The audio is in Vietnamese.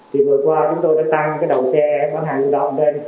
thì vừa qua chúng tôi đã tăng cái đầu xe bán hàng lưu động lên